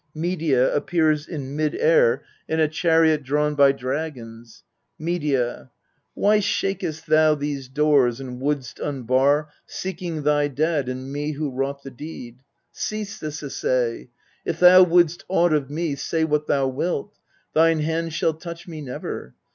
MEDEA appears in mid air in a chariot drawn by dragons Medea. Why shakest thou these doors and wouldst . unbar, Seeking thy dead and me who wrought the deed? Cease this essay. If thou wouldst aught of me, Say what thou wilt : thine hand shall touch me never.